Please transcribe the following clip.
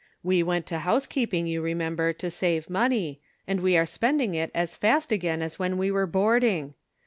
We went to housekeeping, you remember, to save money, and we are spending it as fast again as when we were boarding.